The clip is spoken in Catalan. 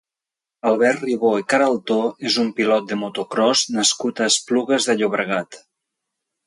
Albert Ribó i Caraltó és un pilot de motocròs nascut a Esplugues de Llobregat.